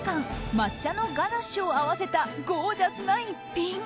抹茶のガナッシュを合わせたゴージャスな一品。